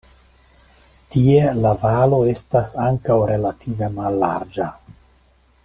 Tie la valo estas ankaŭ relative mallarĝa.